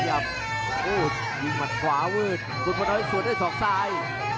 เอ้าแล้วกันขวัดด้วยสองซ้าย